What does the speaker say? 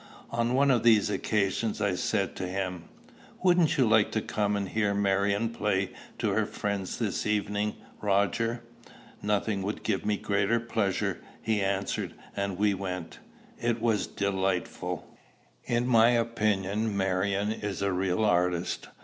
On one of these occasions I said to him, "Wouldn't you like to come and hear Marion play to her friends this evening, Roger?" "Nothing would give me greater pleasure," he answered; and we went. It was delightful. In my opinion Marion is a real artist.